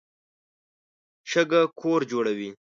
شګه کور جوړوي.